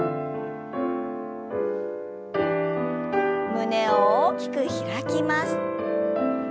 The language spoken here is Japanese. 胸を大きく開きます。